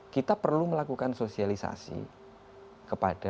kita perlu melakukan sosialisasi kepada